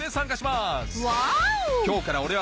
『今日から俺は‼』